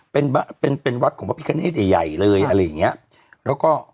เป็นเป็นวัดของพระพิคเนตใหญ่ใหญ่เลยอะไรอย่างเงี้ยแล้วก็